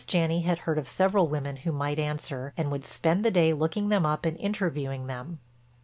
Janney had heard of several women who might answer and would spend the day looking them up and interviewing them.